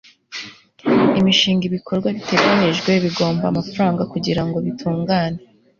imishinga ibikorwa biteganyijwe bigomba amafaranga kugira ngo bitungane